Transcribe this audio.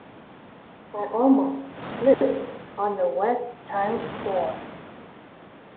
I almost slipped on the wet tiled floor.